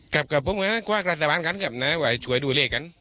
กับกับพวกเราขวากราศรภัณฑ์กันกับในวัยถุดูแลกัน